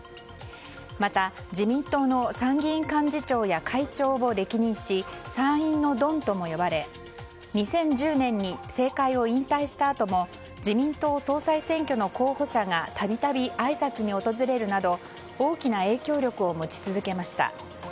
また、自民党の参議院幹事長や会長を歴任し参院のドンとも呼ばれ２０１０年に政界を引退したあとも自民党総裁選挙の候補者が度々あいさつに訪れるなど大きな影響力を持ち続けました。